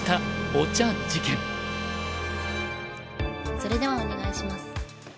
それではお願いします。